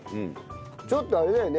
ちょっとあれだよね